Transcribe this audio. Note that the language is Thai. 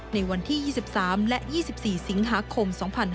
ในวันที่๒๓และ๒๔สิงหาคม๒๕๕๙